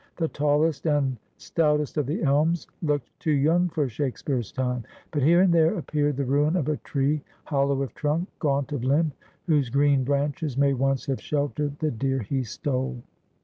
The tallest and stoutest of the elms looked too young for Shakespeare's time. But here and there appeared the ruin of a tree, hollow of trunk, gaunt of limb, whose green branches may once have sheltered the deer he stole.